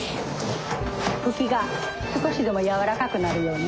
フキが少しでも軟らかくなるように。